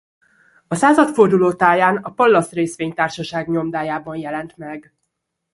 A századforduló táján a Pallas Részvénytársaság nyomdájában jelent meg.